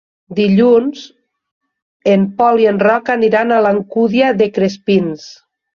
Dilluns en Pol i en Roc aniran a l'Alcúdia de Crespins.